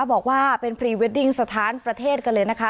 บอกว่าเป็นพรีเวดดิ้งสถานประเทศกันเลยนะคะ